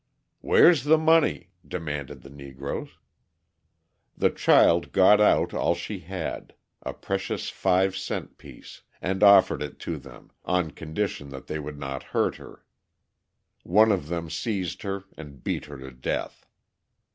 "Where's the money?" demanded the Negroes. The child got out all she had, a precious five cent piece, and offered it to them on condition that they would not hurt her. One of them seized her and beat her to death.